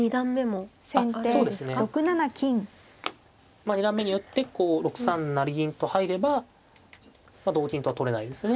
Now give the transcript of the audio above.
まあ二段目に打ってこう６三成銀と入れば同金とは取れないですね。